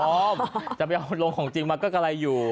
น๗๐๐บาทผมพร้อมจะไปเอารงของจริงมาก็กำไรอยู่